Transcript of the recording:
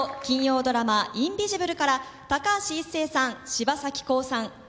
金曜ドラマ「インビジブル」から高橋一生さん柴咲コウさん